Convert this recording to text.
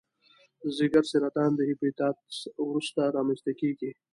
د ځګر سرطان د هپاتایتس وروسته رامنځته کېږي.